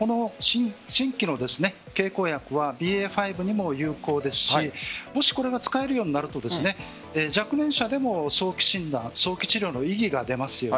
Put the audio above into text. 新規の経口薬はＢＡ．５にも有効ですしもし、これが使えるようになると若年者でも早期診断、早期治療の意義が出ます。